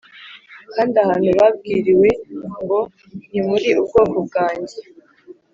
Kandi ahantu babwiriwe ngo ntimuri ubwoko bwanjye